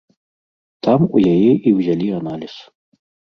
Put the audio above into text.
Там у яе і ўзялі аналіз.